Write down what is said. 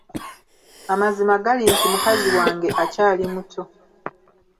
Amazima gali nti mukazi wange akyali muto.